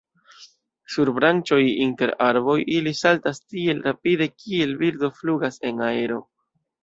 Sur branĉoj inter arboj ili saltas tiel rapide kiel birdo flugas en aero.